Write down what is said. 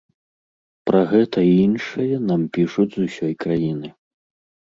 Пра гэта і іншае нам пішуць з усёй краіны.